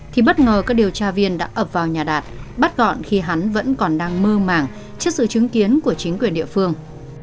thì bất ngờ các điều tra viên đã ập vào nhà đạt bắt gọn khi hắn vẫn còn đang mơ màng trước sự chứng kiến của chính quyền địa phương